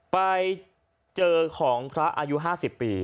ไปเจอของพระอายุ๕๐ปี